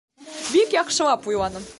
Бик яҡшылап уйланым.